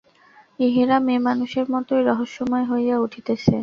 ইহারা মেয়েমানুষের মতোই রহস্যময় হইয়া উঠিতেছে।